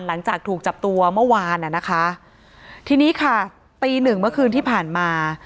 หลังจากถูกจับตัวเมื่อวานอ่ะนะคะทีนี้ค่ะตีหนึ่งเมื่อคืนที่ผ่านมา